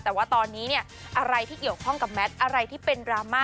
แต่ว่าตอนนี้เนี่ยอะไรที่เกี่ยวข้องกับแมทอะไรที่เป็นดราม่า